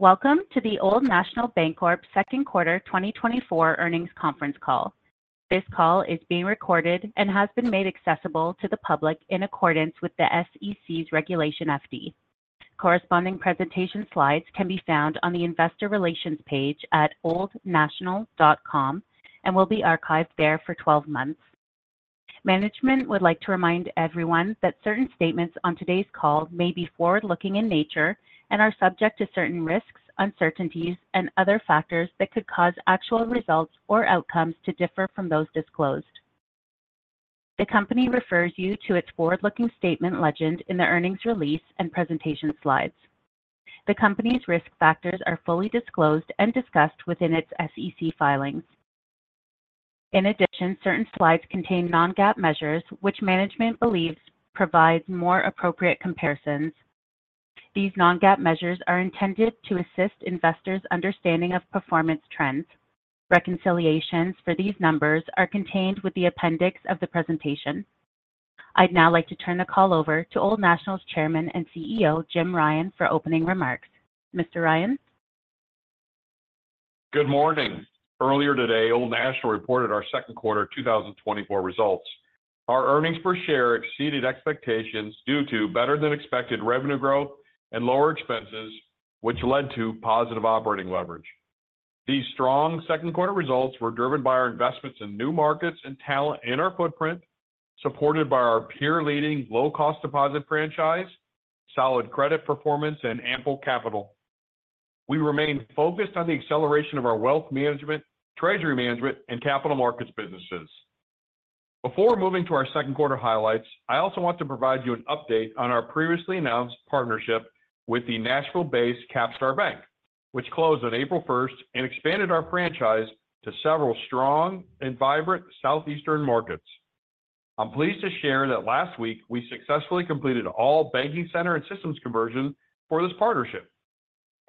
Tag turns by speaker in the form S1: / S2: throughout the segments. S1: Welcome to the Old National Bancorp second quarter 2024 earnings conference call. This call is being recorded and has been made accessible to the public in accordance with the SEC's Regulation FD. Corresponding presentation slides can be found on the Investor Relations page at oldnational.com and will be archived there for 12 months. Management would like to remind everyone that certain statements on today's call may be forward-looking in nature and are subject to certain risks, uncertainties, and other factors that could cause actual results or outcomes to differ from those disclosed. The company refers you to its forward-looking statement legend in the earnings release and presentation slides. The company's risk factors are fully disclosed and discussed within its SEC filings. In addition, certain slides contain non-GAAP measures which management believes provide more appropriate comparisons. These non-GAAP measures are intended to assist investors' understanding of performance trends. Reconciliations for these numbers are contained within the appendix of the presentation. I'd now like to turn the call over to Old National's Chairman and CEO, James Ryan, for opening remarks. Mr. Ryan.
S2: Good morning. Earlier today, Old National reported our second quarter 2024 results. Our earnings per share exceeded expectations due to better-than-expected revenue growth and lower expenses, which led to positive operating leverage. These strong second quarter results were driven by our investments in new markets and talent in our footprint, supported by our peer-leading low-cost deposit franchise, solid credit performance, and ample capital. We remain focused on the acceleration of our wealth management, treasury management, and capital markets businesses. Before moving to our second quarter highlights, I also want to provide you an update on our previously announced partnership with the Nashville-based CapStar Bank, which closed on April 1st and expanded our franchise to several strong and vibrant southeastern markets. I'm pleased to share that last week we successfully completed all banking center and systems conversion for this partnership.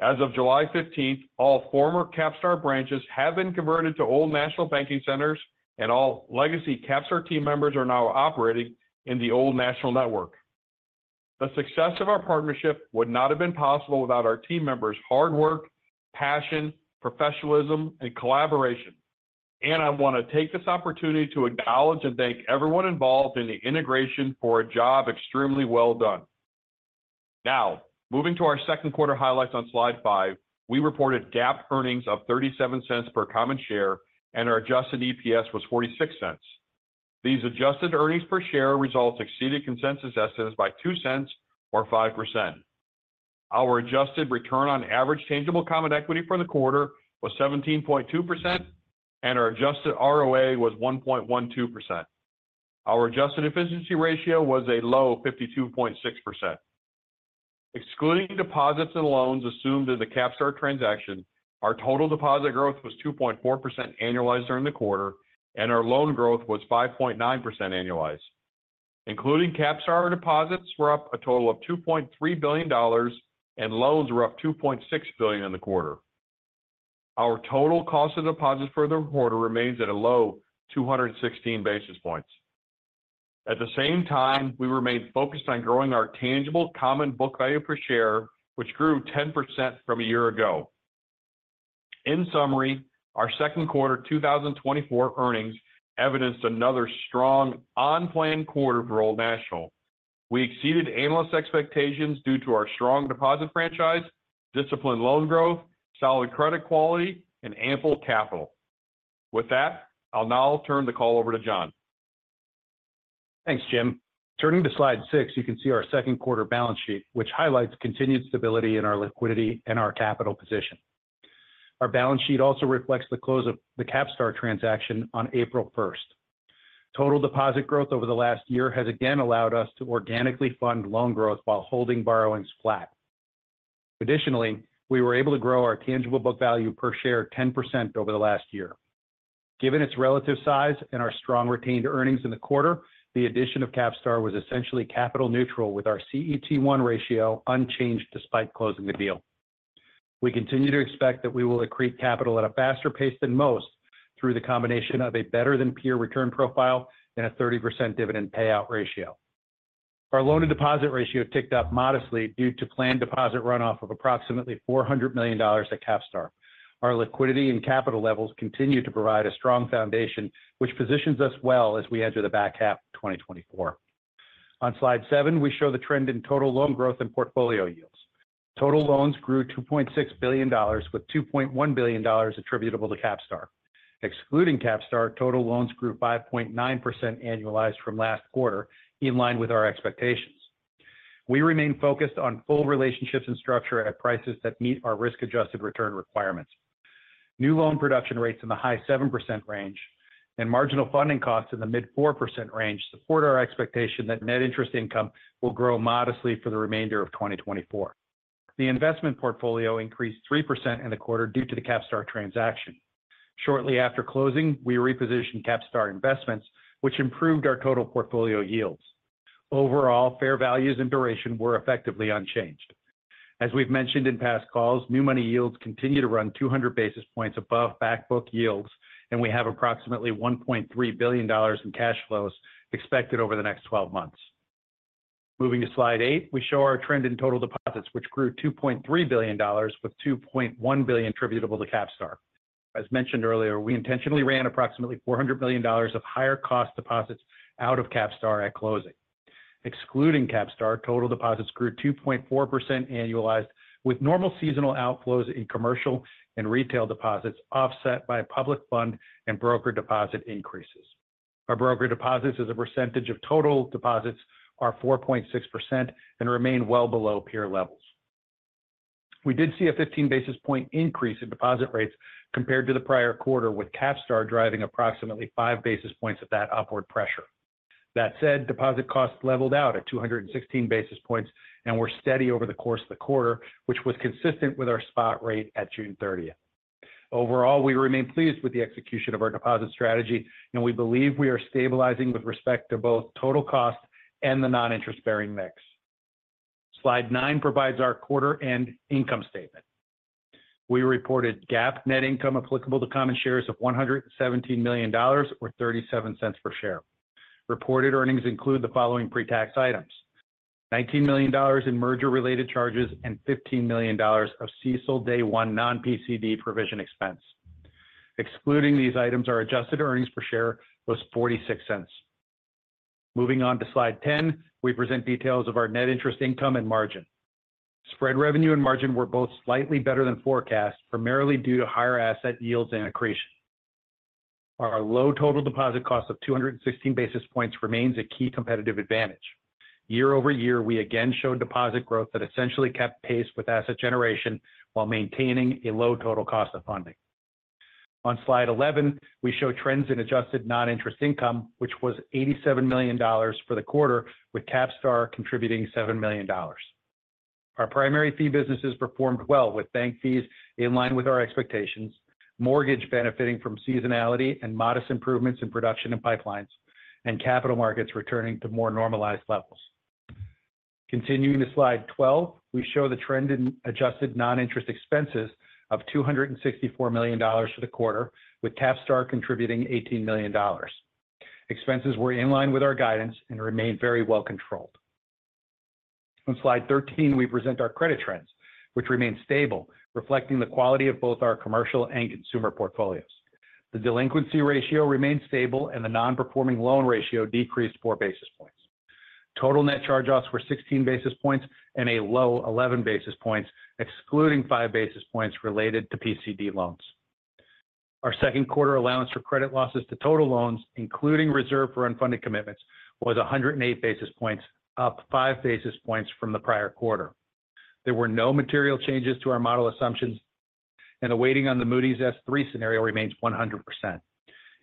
S2: As of July 15th, all former CapStar branches have been converted to Old National Banking Centers, and all legacy CapStar team members are now operating in the Old National network. The success of our partnership would not have been possible without our team members' hard work, passion, professionalism, and collaboration. And I want to take this opportunity to acknowledge and thank everyone involved in the integration for a job extremely well done. Now, moving to our second quarter highlights on slide five, we reported GAAP earnings of $0.37 per common share and our adjusted EPS was $0.46. These adjusted earnings per share results exceeded consensus estimates by $0.02 or 5%. Our adjusted return on average tangible common equity for the quarter was 17.2%, and our adjusted ROA was 1.12%. Our adjusted efficiency ratio was a low 52.6%. Excluding deposits and loans assumed in the CapStar transaction, our total deposit growth was 2.4% annualized during the quarter, and our loan growth was 5.9% annualized. Including CapStar deposits were up a total of $2.3 billion, and loans were up $2.6 billion in the quarter. Our total cost of deposits for the quarter remains at a low 216 basis points. At the same time, we remained focused on growing our tangible common book value per share, which grew 10% from a year ago. In summary, our second quarter 2024 earnings evidenced another strong on-plan quarter for Old National. We exceeded analysts' expectations due to our strong deposit franchise, disciplined loan growth, solid credit quality, and ample capital. With that, I'll now turn the call over to John.
S3: Thanks, James. Turning to slide six, you can see our second quarter balance sheet, which highlights continued stability in our liquidity and our capital position. Our balance sheet also reflects the close of the CapStar transaction on April 1st. Total deposit growth over the last year has again allowed us to organically fund loan growth while holding borrowings flat. Additionally, we were able to grow our tangible book value per share 10% over the last year. Given its relative size and our strong retained earnings in the quarter, the addition of CapStar was essentially capital neutral, with our CET1 ratio unchanged despite closing the deal. We continue to expect that we will accrete capital at a faster pace than most through the combination of a better-than-peer return profile and a 30% dividend payout ratio. Our loan-to-deposit ratio ticked up modestly due to planned deposit runoff of approximately $400 million at CapStar. Our liquidity and capital levels continue to provide a strong foundation, which positions us well as we enter the back half of 2024. On slide seven, we show the trend in total loan growth and portfolio yields. Total loans grew $2.6 billion, with $2.1 billion attributable to CapStar. Excluding CapStar, total loans grew 5.9% annualized from last quarter, in line with our expectations. We remain focused on full relationships and structure at prices that meet our risk-adjusted return requirements. New loan production rates in the high 7% range and marginal funding costs in the mid 4% range support our expectation that net interest income will grow modestly for the remainder of 2024. The investment portfolio increased 3% in the quarter due to the CapStar transaction. Shortly after closing, we repositioned CapStar investments, which improved our total portfolio yields. Overall, fair values and duration were effectively unchanged. As we've mentioned in past calls, new money yields continue to run 200 basis points above backbook yields, and we have approximately $1.3 billion in cash flows expected over the next 12 months. Moving to slide eight, we show our trend in total deposits, which grew $2.3 billion, with $2.1 billion attributable to CapStar. As mentioned earlier, we intentionally ran approximately $400 million of higher-cost deposits out of CapStar at closing. Excluding CapStar, total deposits grew 2.4% annualized, with normal seasonal outflows in commercial and retail deposits offset by public fund and brokered deposit increases. Our brokered deposits as a percentage of total deposits are 4.6% and remain well below peer levels. We did see a 15 basis point increase in deposit rates compared to the prior quarter, with CapStar driving approximately 5 basis points of that upward pressure. That said, deposit costs leveled out at 216 basis points and were steady over the course of the quarter, which was consistent with our spot rate at June 30th. Overall, we remain pleased with the execution of our deposit strategy, and we believe we are stabilizing with respect to both total cost and the non-interest-bearing mix. Slide nine provides our quarter-end income statement. We reported GAAP net income applicable to common shares of $117 million or $0.37 per share. Reported earnings include the following pre-tax items: $19 million in merger-related charges and $15 million of CECL Day One non-PCD provision expense. Excluding these items, our adjusted earnings per share was $0.46. Moving on to slide 10, we present details of our net interest income and margin. Spread revenue and margin were both slightly better than forecast, primarily due to higher asset yields and accretion. Our low total deposit cost of 216 basis points remains a key competitive advantage. Year-over-year, we again showed deposit growth that essentially kept pace with asset generation while maintaining a low total cost of funding. On slide 11, we show trends in adjusted non-interest income, which was $87 million for the quarter, with CapStar contributing $7 million. Our primary fee businesses performed well, with bank fees in line with our expectations, mortgage benefiting from seasonality and modest improvements in production and pipelines, and capital markets returning to more normalized levels. Continuing to slide 12, we show the trend in adjusted non-interest expenses of $264 million for the quarter, with CapStar contributing $18 million. Expenses were in line with our guidance and remained very well controlled. On slide 13, we present our credit trends, which remain stable, reflecting the quality of both our commercial and consumer portfolios. The delinquency ratio remained stable, and the non-performing loan ratio decreased 4 basis points. Total net charge-offs were 16 basis points and a low 11 basis points, excluding 5 basis points related to PCD loans. Our second quarter allowance for credit losses to total loans, including reserve for unfunded commitments, was 108 basis points, up 5 basis points from the prior quarter. There were no material changes to our model assumptions, and weighting on the Moody's S3 scenario remains 100%.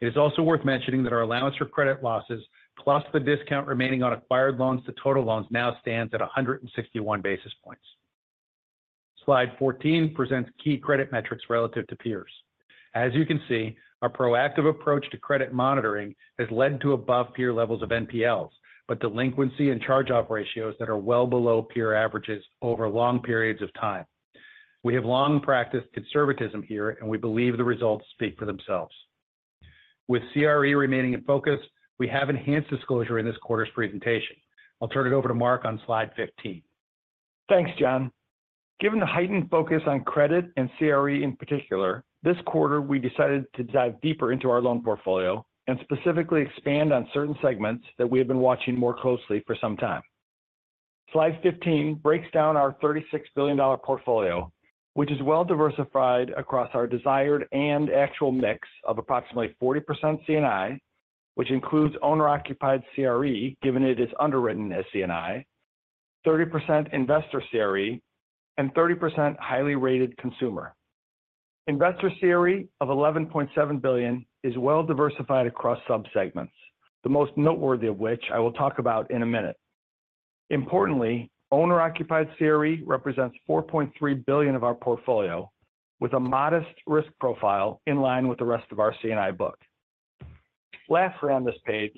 S3: It is also worth mentioning that our allowance for credit losses, plus the discount remaining on acquired loans to total loans, now stands at 161 basis points. Slide 14 presents key credit metrics relative to peers. As you can see, our proactive approach to credit monitoring has led to above-peer levels of NPLs, but delinquency and charge-off ratios that are well below peer averages over long periods of time. We have long practiced conservatism here, and we believe the results speak for themselves. With CRE remaining in focus, we have enhanced disclosure in this quarter's presentation. I'll turn it over to Mark on slide 15. Thanks, John. Given the heightened focus on credit and CRE in particular, this quarter we decided to dive deeper into our loan portfolio and specifically expand on certain segments that we have been watching more closely for some time. Slide 15 breaks down our $36 billion portfolio, which is well diversified across our desired and actual mix of approximately 40% C&I, which includes owner-occupied CRE, given it is underwritten as C&I, 30% investor CRE, and 30% highly rated consumer. Investor CRE of $11.7 billion is well diversified across subsegments, the most noteworthy of which I will talk about in a minute. Importantly, owner-occupied CRE represents $4.3 billion of our portfolio, with a modest risk profile in line with the rest of our C&I book. Lastly on this page,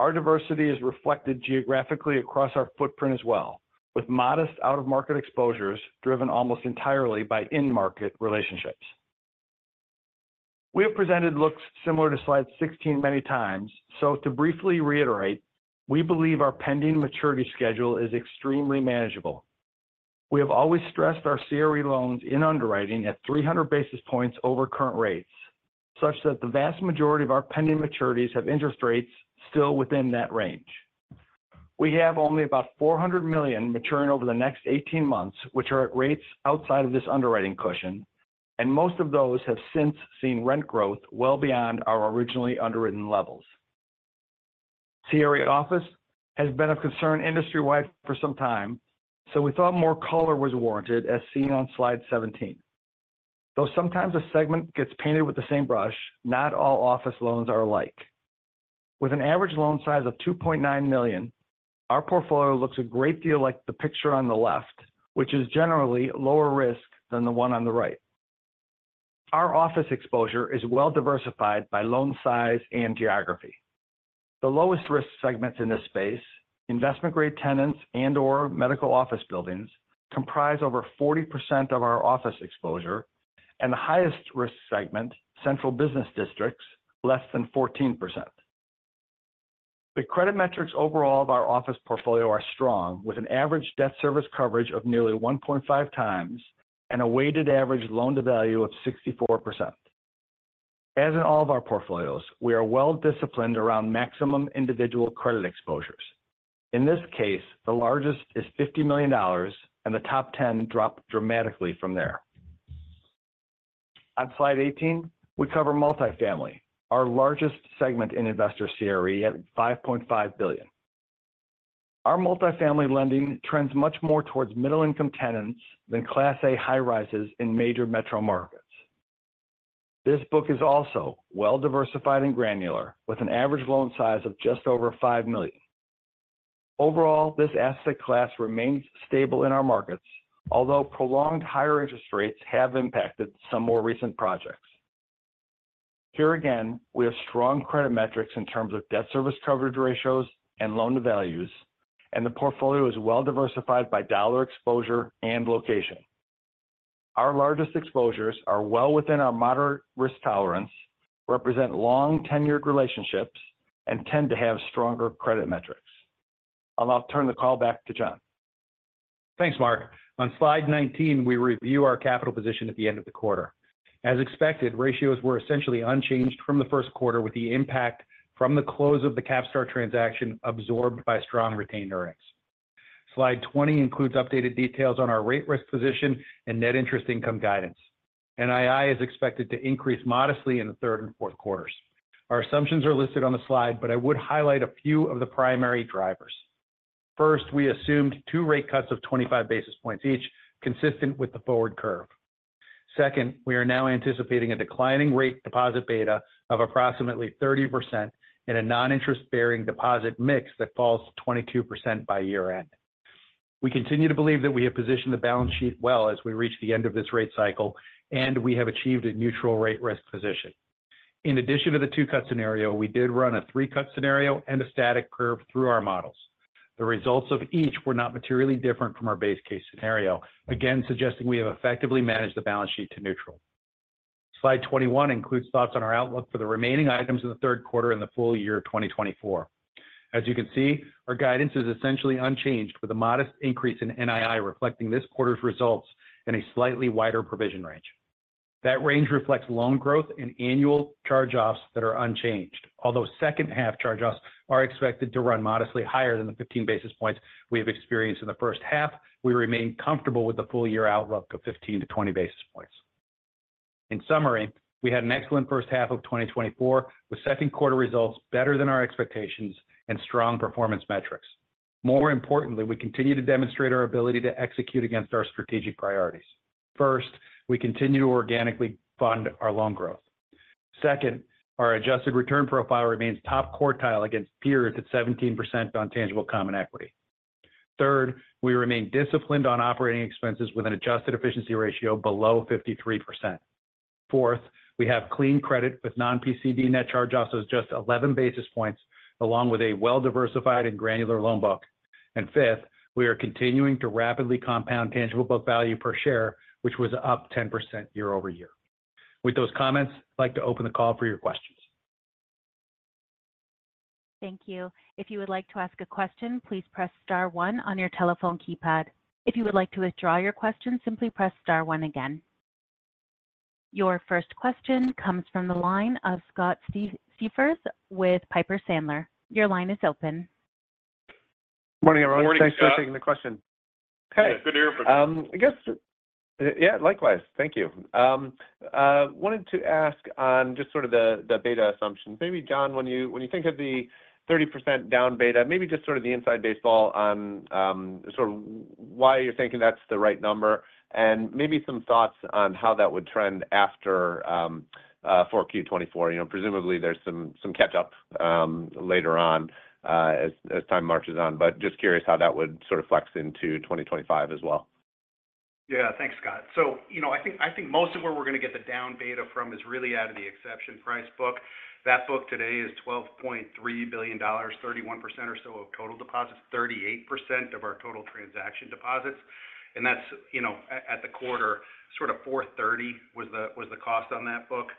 S3: our diversity is reflected geographically across our footprint as well, with modest out-of-market exposures driven almost entirely by in-market relationships. We have presented looks similar to slide 16 many times, so to briefly reiterate, we believe our pending maturity schedule is extremely manageable. We have always stressed our CRE loans in underwriting at 300 basis points over current rates, such that the vast majority of our pending maturities have interest rates still within that range. We have only about $400 million maturing over the next 18 months, which are at rates outside of this underwriting cushion, and most of those have since seen rent growth well beyond our originally underwritten levels. CRE office has been of concern industry-wide for some time, so we thought more color was warranted, as seen on slide 17. Though sometimes a segment gets painted with the same brush, not all office loans are alike. With an average loan size of $2.9 million, our portfolio looks a great deal like the picture on the left, which is generally lower risk than the one on the right. Our office exposure is well diversified by loan size and geography. The lowest risk segments in this space, investment-grade tenants and/or medical office buildings, comprise over 40% of our office exposure, and the highest risk segment, central business districts, less than 14%. The credit metrics overall of our office portfolio are strong, with an average debt service coverage of nearly 1.5 times and a weighted average loan-to-value of 64%. As in all of our portfolios, we are well disciplined around maximum individual credit exposures. In this case, the largest is $50 million, and the top 10 drop dramatically from there. On slide 18, we cover multifamily, our largest segment in investor CRE at $5.5 billion. Our multifamily lending trends much more towards middle-income tenants than Class A high-rises in major metro markets. This book is also well diversified and granular, with an average loan size of just over $5 million. Overall, this asset class remains stable in our markets, although prolonged higher interest rates have impacted some more recent projects. Here again, we have strong credit metrics in terms of debt service coverage ratios and loan-to-values, and the portfolio is well diversified by dollar exposure and location. Our largest exposures are well within our moderate risk tolerance, represent long tenured relationships, and tend to have stronger credit metrics. I'll now turn the call back to John.
S4: Thanks, Mark. On slide 19, we review our capital position at the end of the quarter. As expected, ratios were essentially unchanged from the first quarter, with the impact from the close of the CapStar transaction absorbed by strong retained earnings. Slide 20 includes updated details on our rate risk position and net interest income guidance. NII is expected to increase modestly in the third and fourth quarters. Our assumptions are listed on the slide, but I would highlight a few of the primary drivers. First, we assumed two rate cuts of 25 basis points each, consistent with the forward curve. Second, we are now anticipating a declining rate deposit beta of approximately 30% in a non-interest-bearing deposit mix that falls to 22% by year-end. We continue to believe that we have positioned the balance sheet well as we reach the end of this rate cycle, and we have achieved a neutral rate risk position. In addition to the two-cut scenario, we did run a three-cut scenario and a static curve through our models. The results of each were not materially different from our base case scenario, again suggesting we have effectively managed the balance sheet to neutral. Slide 21 includes thoughts on our outlook for the remaining items in the third quarter and the full year 2024. As you can see, our guidance is essentially unchanged, with a modest increase in NII reflecting this quarter's results in a slightly wider provision range. That range reflects loan growth and annual charge-offs that are unchanged. Although second-half charge-offs are expected to run modestly higher than the 15 basis points we have experienced in the first half, we remain comfortable with the full year outlook of 15-20 basis points. In summary, we had an excellent first half of 2024, with second-quarter results better than our expectations and strong performance metrics. More importantly, we continue to demonstrate our ability to execute against our strategic priorities. First, we continue to organically fund our loan growth. Second, our adjusted return profile remains top quartile against peers at 17% on tangible common equity. Third, we remain disciplined on operating expenses with an adjusted efficiency ratio below 53%. Fourth, we have clean credit with non-PCD net charge-offs of just 11 basis points, along with a well-diversified and granular loan book. Fifth, we are continuing to rapidly compound tangible book value per share, which was up 10% year-over-year. With those comments, I'd like to open the call for your questions.
S1: Thank you. If you would like to ask a question, please press star one on your telephone keypad. If you would like to withdraw your question, simply press star one again. Your first question comes from the line of Scott Siefers with Piper Sandler. Your line is open.
S5: Good morning, everyone. Thanks for taking the question.
S3: Hey. Good to hear from you.
S5: I guess, yeah, likewise. Thank you. I wanted to ask on just sort of the beta assumptions. Maybe, John, when you think of the 30% down beta, maybe just sort of the inside baseball on sort of why you're thinking that's the right number, and maybe some thoughts on how that would trend after 4Q24. Presumably, there's some catch-up later on as time marches on, but just curious how that would sort of flex into 2025 as well?
S4: Yeah, thanks, Scott. So I think most of where we're going to get the down beta from is really out of the exception price book. That book today is $12.3 billion, 31% or so of total deposits, 38% of our total transaction deposits. And that's at the quarter, sort of 4.30 was the cost on that book.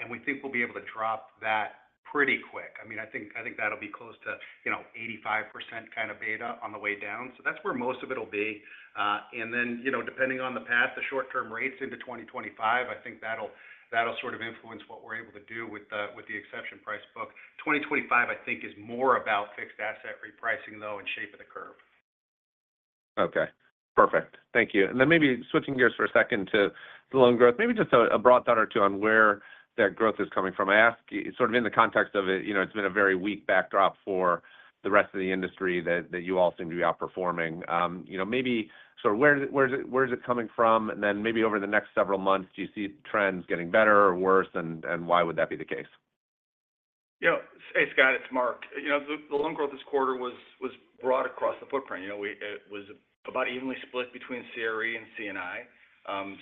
S4: And we think we'll be able to drop that pretty quick. I mean, I think that'll be close to 85% kind of beta on the way down. So that's where most of it will be. And then depending on the path, the short-term rates into 2025, I think that'll sort of influence what we're able to do with the exception price book. 2025, I think, is more about fixed asset repricing, though, and shape of the curve.
S5: Okay. Perfect. Thank you. And then maybe switching gears for a second to the loan growth, maybe just a broad thought or two on where that growth is coming from. I ask sort of in the context of it, it's been a very weak backdrop for the rest of the industry that you all seem to be outperforming. Maybe sort of where is it coming from, and then maybe over the next several months, do you see trends getting better or worse, and why would that be the case?
S3: Yeah. Hey, Scott, it's Mark. The loan growth this quarter was broad across the footprint. It was about evenly split between CRE and C&I.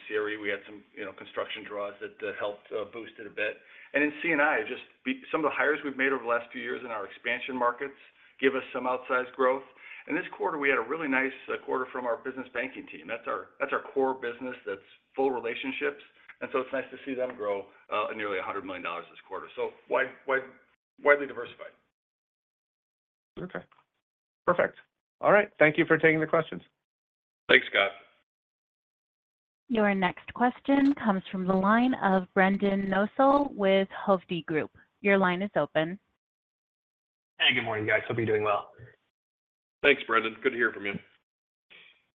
S3: CRE, we had some construction draws that helped boost it a bit. And in C&I, just some of the hires we've made over the last few years in our expansion markets give us some outsized growth. And this quarter, we had a really nice quarter from our business banking team. That's our core business that's full relationships. And so it's nice to see them grow nearly $100 million this quarter. So widely diversified.
S5: Okay. Perfect. All right. Thank you for taking the questions.
S3: Thanks, Scott.
S1: Your next question comes from the line of Brendan Nosal with Hovde Group. Your line is open.
S6: Hey, good morning, guys. Hope you're doing well.
S7: Thanks, Brendan. Good to hear from you.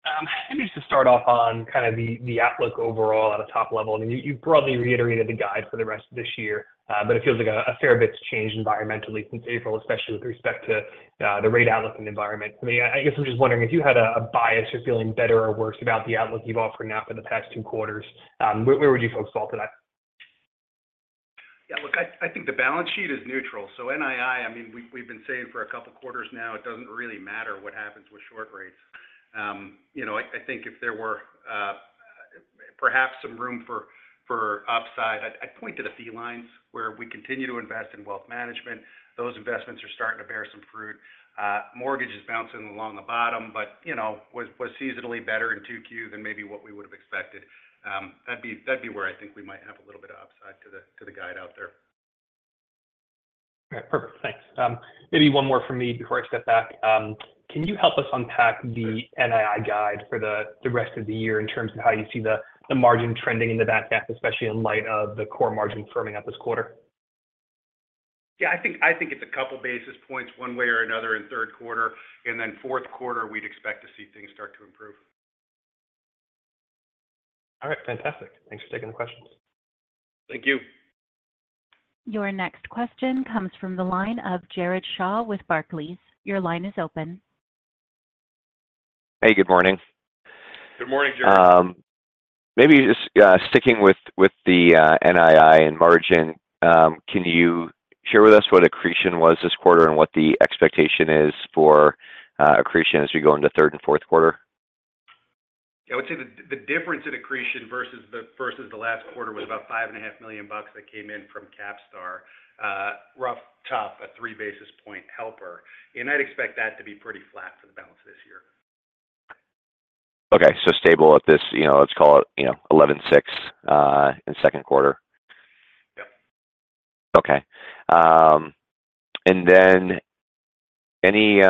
S6: I'm just going to start off on kind of the outlook overall at a top level. I mean, you've broadly reiterated the guide for the rest of this year, but it feels like a fair bit's changed environmentally since April, especially with respect to the rate outlook and environment. So I guess I'm just wondering if you had a bias or feeling better or worse about the outlook you've offered now for the past two quarters. Where would you fall today?
S4: Yeah, look, I think the balance sheet is neutral. So NII, I mean, we've been saying for a couple of quarters now, it doesn't really matter what happens with short rates. I think if there were perhaps some room for upside, I'd point to the fee lines where we continue to invest in wealth management. Those investments are starting to bear some fruit. Mortgage is bouncing along the bottom, but was seasonally better in 2Q than maybe what we would have expected. That'd be where I think we might have a little bit of upside to the guide out there.
S6: All right. Perfect. Thanks. Maybe one more from me before I step back. Can you help us unpack the NII guide for the rest of the year in terms of how you see the margin trending in the back half, especially in light of the core margin firming up this quarter?
S4: Yeah, I think it's a couple of basis points one way or another in third quarter. And then fourth quarter, we'd expect to see things start to improve.
S6: All right. Fantastic. Thanks for taking the questions.
S4: Thank you.
S1: Your next question comes from the line of Jared Shaw with Barclays. Your line is open.
S7: Hey, good morning.
S4: Good morning, Jared.
S7: Maybe just sticking with the NII and margin, can you share with us what accretion was this quarter and what the expectation is for accretion as we go into third and fourth quarter?
S4: Yeah, I would say the difference in accretion versus the last quarter was about $5.5 million that came in from CapStar, roughly a three basis point helper. I'd expect that to be pretty flat for the balance of this year.
S7: Okay. So stable at this, let's call it 11.6 in second quarter.
S4: Yep.
S7: Okay. And then any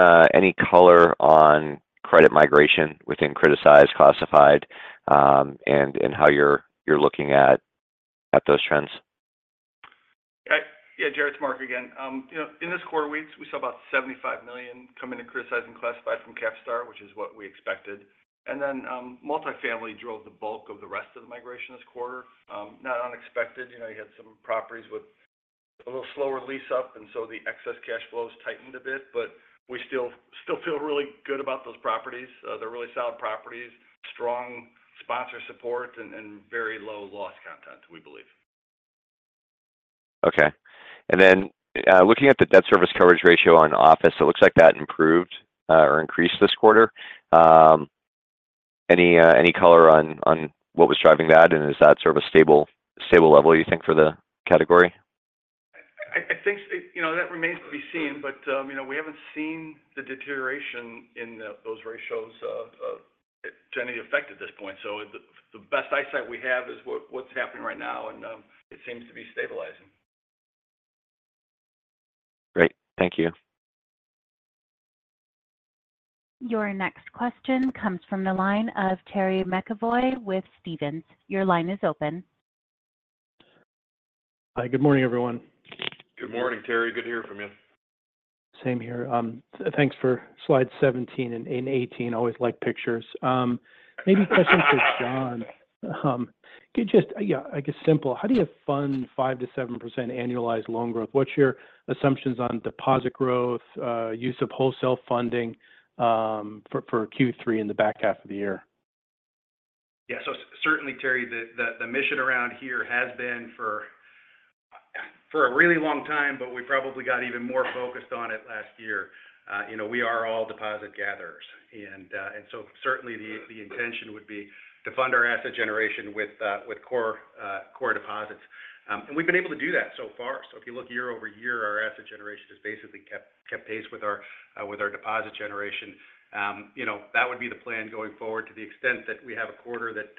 S7: color on credit migration within criticized, classified, and how you're looking at those trends?
S3: Yeah, Jared. It's Mark again. In this quarter, we saw about $75 million come into criticized and classified from CapStar, which is what we expected. And then multifamily drove the bulk of the rest of the migration this quarter. Not unexpected. You had some properties with a little slower lease-up, and so the excess cash flows tightened a bit. But we still feel really good about those properties. They're really solid properties, strong sponsor support, and very low loss content, we believe.
S7: Okay. And then looking at the debt service coverage ratio on office, it looks like that improved or increased this quarter. Any color on what was driving that? And is that sort of a stable level, you think, for the category?
S3: I think that remains to be seen, but we haven't seen the deterioration in those ratios to any effect at this point. So the best eyesight we have is what's happening right now, and it seems to be stabilizing.
S7: Great. Thank you.
S1: Your next question comes from the line of Terry McEvoy with Stephens. Your line is open.
S8: Hi. Good morning, everyone.
S3: Good morning, Terry. Good to hear from you.
S8: Same here. Thanks for slide 17 and 18. I always like pictures. Maybe question for John. Yeah, I guess simple. How do you fund 5%-7% annualized loan growth? What's your assumptions on deposit growth, use of wholesale funding for Q3 in the back half of the year?
S4: Yeah. So certainly, Terry, the mission around here has been for a really long time, but we probably got even more focused on it last year. We are all deposit gatherers. And so certainly, the intention would be to fund our asset generation with core deposits. And we've been able to do that so far. So if you look year-over-year, our asset generation has basically kept pace with our deposit generation. That would be the plan going forward to the extent that we have a quarter that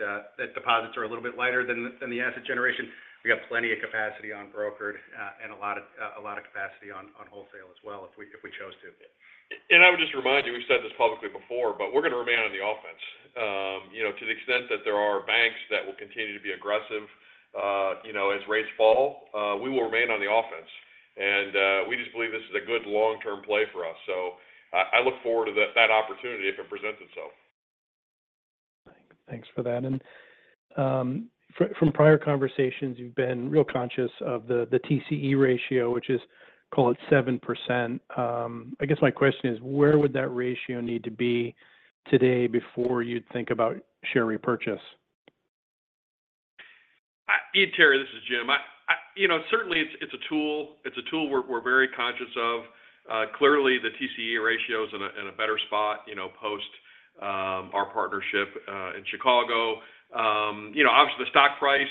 S4: deposits are a little bit lighter than the asset generation. We have plenty of capacity on brokered and a lot of capacity on wholesale as well if we chose to. I would just remind you, we've said this publicly before, but we're going to remain on the offense. To the extent that there are banks that will continue to be aggressive as rates fall, we will remain on the offense. We just believe this is a good long-term play for us. I look forward to that opportunity if it presents itself.
S8: Thanks for that. And from prior conversations, you've been real conscious of the TCE ratio, which is, call it 7%. I guess my question is, where would that ratio need to be today before you'd think about share repurchase?
S4: Me and Terry, this is James. Certainly, it's a tool. It's a tool we're very conscious of. Clearly, the TCE ratio is in a better spot post our partnership in Chicago. Obviously, the stock price,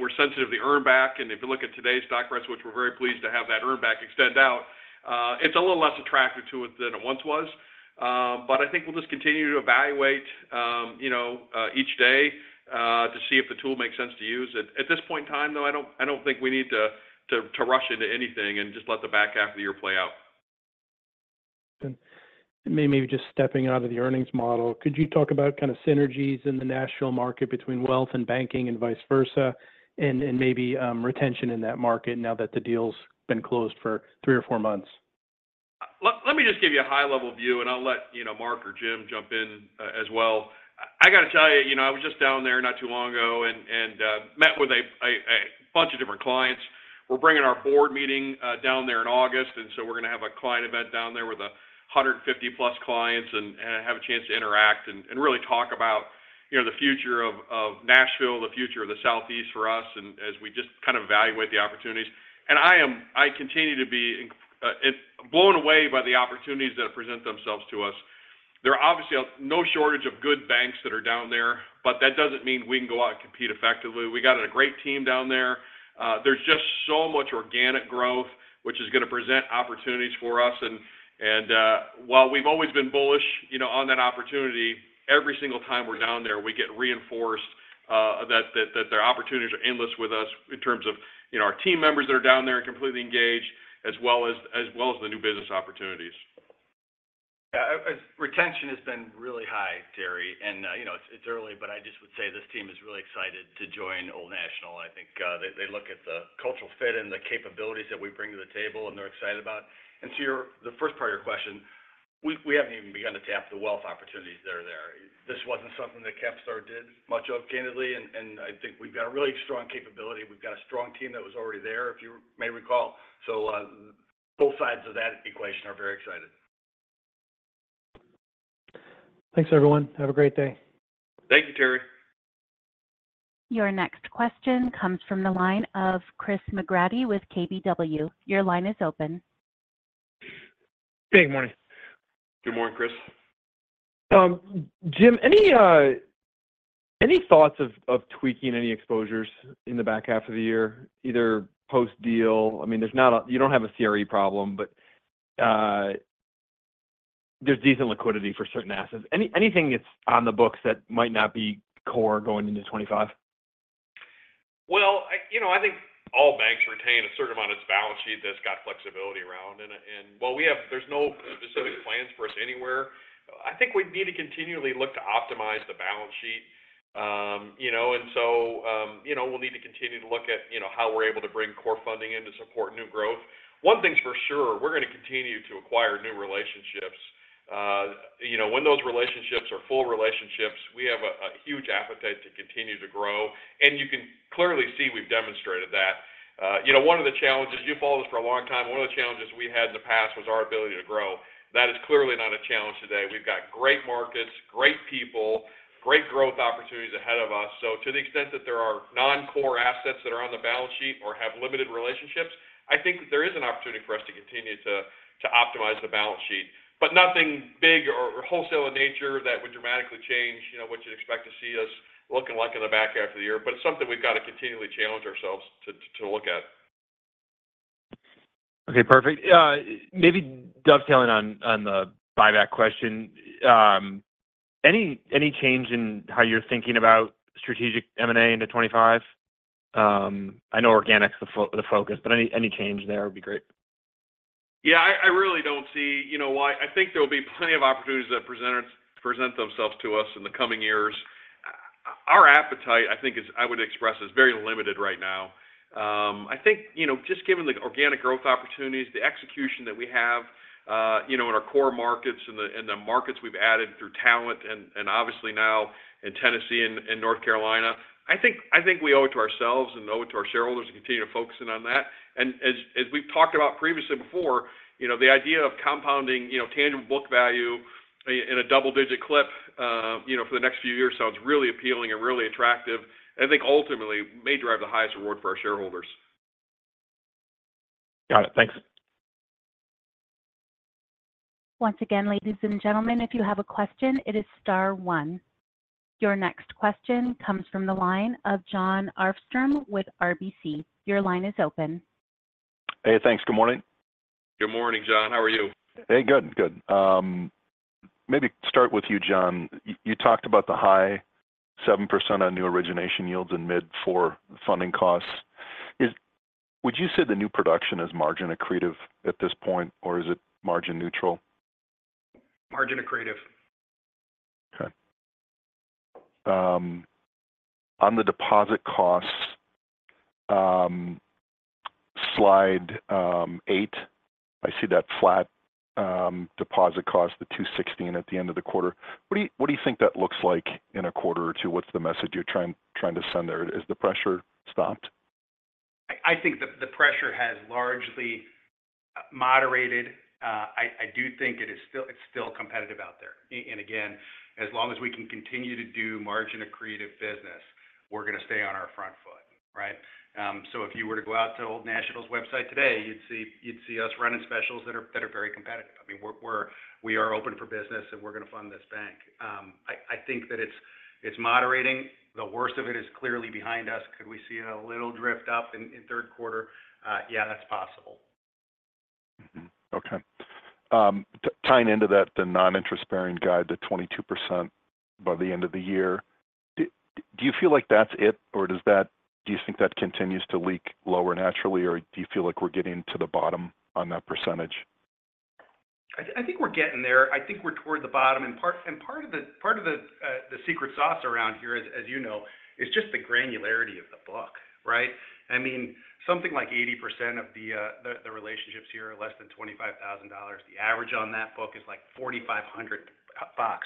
S4: we're sensitive to earnback. If you look at today's stock price, which we're very pleased to have that earnback extend out, it's a little less attractive to us than it once was. I think we'll just continue to evaluate each day to see if the tool makes sense to use. At this point in time, though, I don't think we need to rush into anything and just let the back half of the year play out.
S8: Maybe just stepping out of the earnings model, could you talk about kind of synergies in the national market between wealth and banking and vice versa, and maybe retention in that market now that the deal's been closed for three or four months?
S4: Let me just give you a high-level view, and I'll let Mark or James jump in as well. I got to tell you, I was just down there not too long ago and met with a bunch of different clients. We're bringing our board meeting down there in August. So we're going to have a client event down there with 150+ clients and have a chance to interact and really talk about the future of Nashville, the future of the Southeast for us, and as we just kind of evaluate the opportunities. I continue to be blown away by the opportunities that present themselves to us. There are obviously no shortage of good banks that are down there, but that doesn't mean we can go out and compete effectively. We got a great team down there. There's just so much organic growth, which is going to present opportunities for us. And while we've always been bullish on that opportunity, every single time we're down there, we get reinforced that the opportunities are endless with us in terms of our team members that are down there and completely engaged, as well as the new business opportunities.
S3: Yeah. Retention has been really high, Terry. And it's early, but I just would say this team is really excited to join Old National. I think they look at the cultural fit and the capabilities that we bring to the table, and they're excited about. And to the first part of your question, we haven't even begun to tap the wealth opportunities that are there. This wasn't something that CapStar did much of, candidly. And I think we've got a really strong capability. We've got a strong team that was already there, if you may recall. So both sides of that equation are very excited.
S8: Thanks, everyone. Have a great day.
S4: Thank you, Terry.
S1: Your next question comes from the line of Chris McGratty with KBW. Your line is open.
S9: Hey, good morning.
S4: Good morning, Chris.
S9: James, any thoughts of tweaking any exposures in the back half of the year, either post-deal? I mean, you don't have a CRE problem, but there's decent liquidity for certain assets. Anything that's on the books that might not be core going into 2025?
S2: Well, I think all banks retain a certain amount of its balance sheet that's got flexibility around. While there's no specific plans for us anywhere, I think we need to continually look to optimize the balance sheet. So we'll need to continue to look at how we're able to bring core funding in to support new growth. One thing's for sure. We're going to continue to acquire new relationships. When those relationships are full relationships, we have a huge appetite to continue to grow. And you can clearly see we've demonstrated that. One of the challenges you've followed us for a long time, one of the challenges we had in the past was our ability to grow. That is clearly not a challenge today. We've got great markets, great people, great growth opportunities ahead of us. To the extent that there are non-core assets that are on the balance sheet or have limited relationships, I think there is an opportunity for us to continue to optimize the balance sheet, but nothing big or wholesale in nature that would dramatically change what you'd expect to see us looking like in the back half of the year. It's something we've got to continually challenge ourselves to look at.
S9: Okay. Perfect. Maybe dovetailing on the buyback question, any change in how you're thinking about strategic M&A into 2025? I know organic's the focus, but any change there would be great.
S2: Yeah. I really don't see why. I think there will be plenty of opportunities that present themselves to us in the coming years. Our appetite, I think, I would express, is very limited right now. I think just given the organic growth opportunities, the execution that we have in our core markets and the markets we've added through talent, and obviously now in Tennessee and North Carolina, I think we owe it to ourselves and owe it to our shareholders to continue to focus in on that. And as we've talked about previously before, the idea of compounding tangible book value in a double-digit clip for the next few years sounds really appealing and really attractive. And I think ultimately may drive the highest reward for our shareholders.
S9: Got it. Thanks.
S1: Once again, ladies and gentlemen, if you have a question, it is star one. Your next question comes from the line of John Arfstrom with RBC. Your line is open.
S10: Hey, thanks. Good morning.
S4: Good morning, John. How are you?
S10: Hey, good. Good. Maybe start with you, John. You talked about the high 7% on new origination yields and mid-4 funding costs. Would you say the new production is margin accretive at this point, or is it margin neutral?
S4: Margin accretive.
S10: Okay. On the deposit costs, slide 8, I see that flat deposit cost, the 2.16 at the end of the quarter. What do you think that looks like in a quarter or two? What's the message you're trying to send there? Is the pressure stopped?
S4: I think the pressure has largely moderated. I do think it's still competitive out there. And again, as long as we can continue to do margin accretive business, we're going to stay on our front foot, right? So if you were to go out to Old National's website today, you'd see us running specials that are very competitive. I mean, we are open for business, and we're going to fund this bank. I think that it's moderating. The worst of it is clearly behind us. Could we see a little drift up in third quarter? Yeah, that's possible.
S10: Okay. Tying into that, the non-interest-bearing guide, the 22% by the end of the year, do you feel like that's it, or do you think that continues to leak lower naturally, or do you feel like we're getting to the bottom on that percentage?
S4: I think we're getting there. I think we're toward the bottom. Part of the secret sauce around here, as you know, is just the granularity of the book, right? I mean, something like 80% of the relationships here are less than $25,000. The average on that book is like $4,500,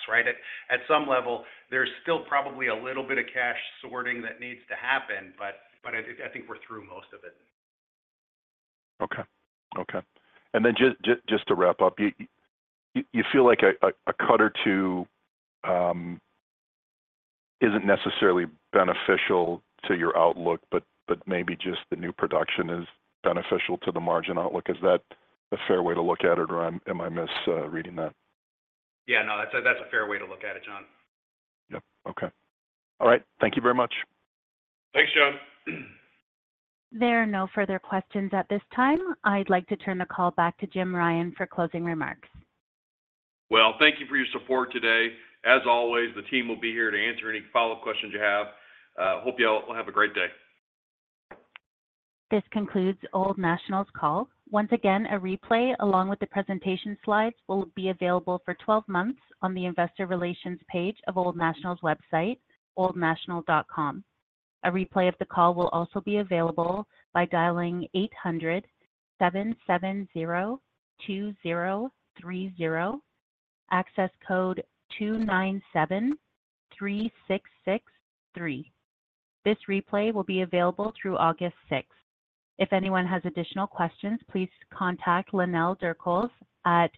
S4: right? At some level, there's still probably a little bit of cash sorting that needs to happen, but I think we're through most of it.
S10: Okay. Okay. And then just to wrap up, you feel like a cut or two isn't necessarily beneficial to your outlook, but maybe just the new production is beneficial to the margin outlook. Is that a fair way to look at it, or am I misreading that?
S4: Yeah. No, that's a fair way to look at it, John.
S10: Yep. Okay. All right. Thank you very much.
S4: Thanks, John.
S1: There are no further questions at this time. I'd like to turn the call back to James Ryan for closing remarks.
S2: Well, thank you for your support today. As always, the team will be here to answer any follow-up questions you have. Hope you all have a great day.
S1: This concludes Old National's call. Once again, a replay along with the presentation slides will be available for 12 months on the investor relations page of Old National's website, oldnational.com. A replay of the call will also be available by dialing 800-770-2030, access code 2973663. This replay will be available through August 6th. If anyone has additional questions, please contact Lynell Wetherbee at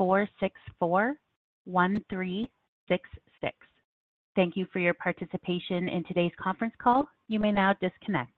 S1: 812-464-1366. Thank you for your participation in today's conference call. You may now disconnect.